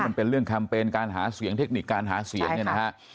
มันเป็นเรื่องแคมเปญการหาเสียงเทคนิคการหาเสียงเนี่ยนะฮะ